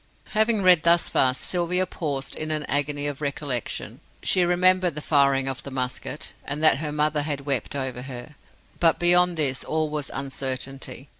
Having read thus far, Sylvia paused in an agony of recollection. She remembered the firing of the musket, and that her mother had wept over her. But beyond this all was uncertainty.